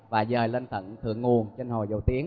và dời lên tận thượng nguồn trên hồ dầu tiếng